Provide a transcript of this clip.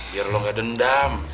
biar lo gak dendam